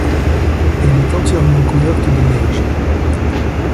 Elle est entièrement couverte de neige.